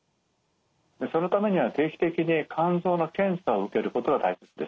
そのためには定期的に肝臓の検査を受けることが大切ですね。